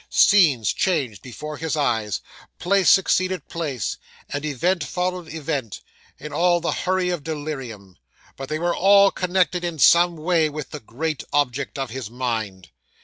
Scenes changed before his eyes, place succeeded place, and event followed event, in all the hurry of delirium; but they were all connected in some way with the great object of his mind.